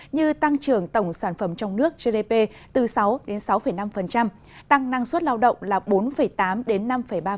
như tăng trưởng tổng sản phẩm trong nước gdp từ sáu đến sáu năm tăng năng suất lao động là bốn tám đến năm ba